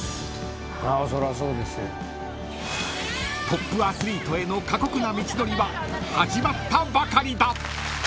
［トップアスリートへの過酷な道のりは始まったばかりだ］